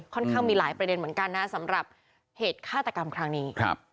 ค่อนข้างมีหลายประเด็นเหมือนกันนะสำหรับเหตุฆาตกรรมครั้งนี้ครับ